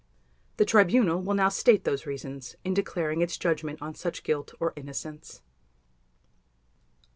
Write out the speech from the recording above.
The Tribunal will now state those reasons in declaring its Judgment on such guilt or innocence.